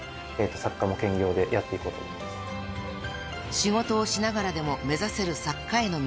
［仕事をしながらでも目指せる作家への道］